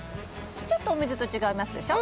ちょっとお水と違いますでしょ？